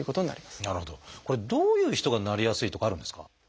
これどういう人がなりやすいとかあるんですか？